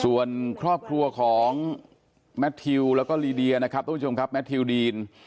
ส่วนครอบครัวของแมททิวแล้วก็ลีเดียนะครับทุกผู้ชมครับแมททิวดีน